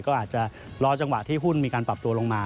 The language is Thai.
ก็อาจจะรอจังหวะที่หุ้นมีการปรับตัวลงมา